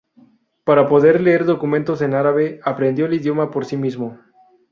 Para poder leer documentos en árabe aprendió el idioma por sí mismo.